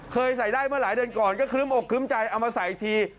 เคยใส่ได้เมื่อหลายเดือนก่อนก็ครึ้มอกครึ้มใจเอามาใส่ที